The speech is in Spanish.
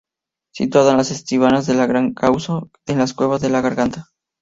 Situada en las estribaciones de la Gran Cáucaso, en las cuevas de la garganta.